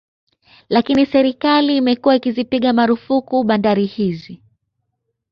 Lakini serikali imekuwa ikizipiga marufuku bandari hizi